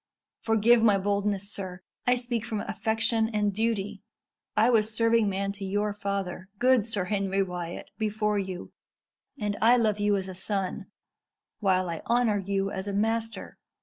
Forgive my boldness, sir. I speak from affection and duty. I was serving man to your father, good Sir Henry Wyat, before you, and I love you as a son, while I honour you as a master.